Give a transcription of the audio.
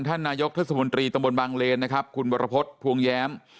ท่านนายกเทศมนตรีตำบลบางเลนนะครับคุณวรพฤษภวงแย้ม